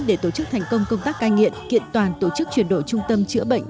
để tổ chức thành công công tác cai nghiện kiện toàn tổ chức chuyển đổi trung tâm chữa bệnh